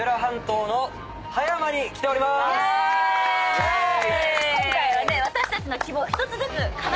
イェーイ！